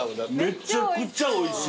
めちゃくちゃおいしい。